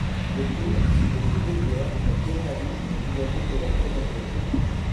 De plus, le coût des joueurs est plus réaliste vis-à-vis de leur potentiel.